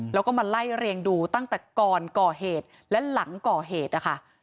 แล้วก็มาไล่เรียงดูตั้งแต่ก่อนก่อเหตุและหลังก่อเหตุนะคะ